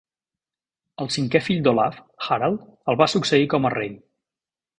El cinquè fill d'Olav, Harald, el va succeir com a rei.